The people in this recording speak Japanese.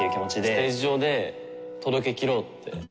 ステージ上で届け切ろうって。